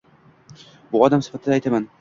Bu odam sifatida aytaman.